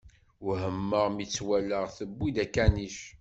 Wehmeɣ mi tt-walaɣ tewwi-d akanic.